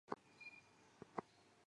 莫泰人口变化图示